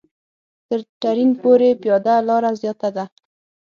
تر ټرېن پورې پیاده لاره زیاته ده.